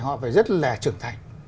họ phải rất là trưởng thành